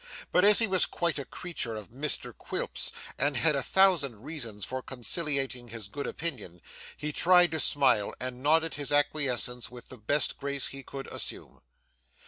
But as he was quite a creature of Mr Quilp's and had a thousand reasons for conciliating his good opinion, he tried to smile, and nodded his acquiescence with the best grace he could assume.